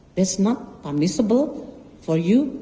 itu tidak permintaan untuk kamu